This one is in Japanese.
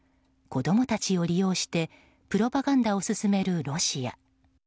子供たちを利用してプロパガンダを進めるロシア。